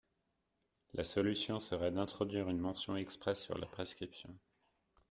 La solution serait d’introduire une mention expresse sur la prescription.